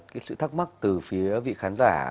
cái sự thắc mắc từ phía vị khán giả